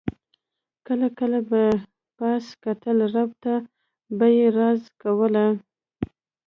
کله کله به یې پاس کتل رب ته به یې زارۍ کولې.